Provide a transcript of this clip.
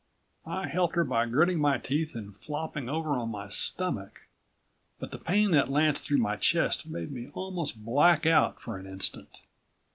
I helped her by gritting my teeth and flopping over on my stomach. But the pain that lanced through my chest made me almost black out for an instant.